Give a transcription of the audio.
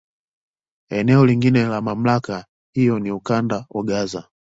Eneo lingine la MamlakA hiyo ni Ukanda wa Gaza.